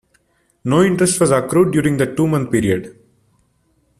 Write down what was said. No interest was accrued during that two-month period.